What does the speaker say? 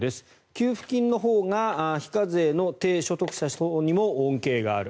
給付金のほうが非課税の低所得者層にも恩恵がある。